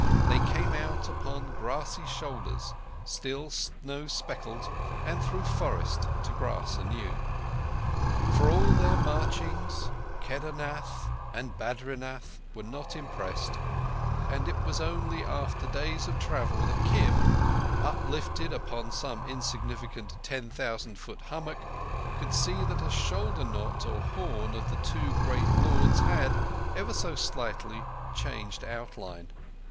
They came out upon grassy shoulders still snow speckled, and through forest, to grass anew. For all their marchings, Kedarnath and Badrinath were not impressed; and it was only after days of travel that Kim, uplifted upon some insignificant ten thousand foot hummock, could see that a shoulder knot or horn of the two great lords had—ever so slightly—changed outline.